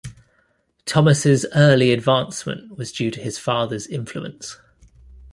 Thomas's early advancement was due to his father's influence.